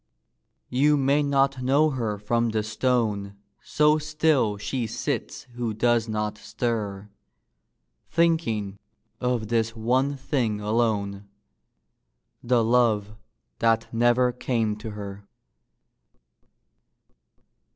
You may not know her from the stone So still she sits who does not stir, Thinking of this one thing alone The love that never came to her.